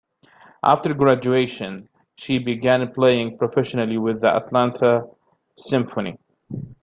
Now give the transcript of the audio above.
After graduation, she began playing professionally with the Atlanta Symphony.